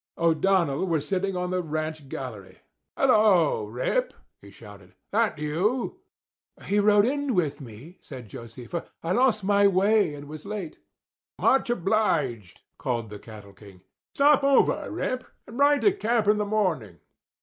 O'Donnell was sitting on the ranch gallery. "Hello, Rip!" he shouted—"that you?" "He rode in with me," said Josefa. "I lost my way and was late." "Much obliged," called the cattle king. "Stop over, Rip, and ride to camp in the morning."